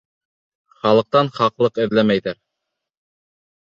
Хаҡлыҡтан хаҡлыҡ эҙләмәйҙәр.